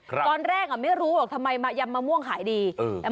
ตอนแรกอ่ะไม่รู้หรอกทำไมมายำมะม่วงขายดี